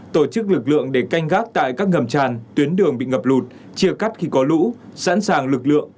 tổ chức lực lượng để canh gác tại các ngầm tràn tuyến đường bị ngập lụt chia cắt khi có lũ sẵn sàng lực lượng